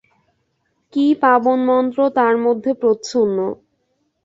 কী পাবনমন্ত্র তার মধ্যে প্রচ্ছন্ন!